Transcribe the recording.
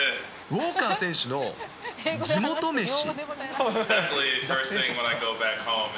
ウォーカー選手の地元メシ。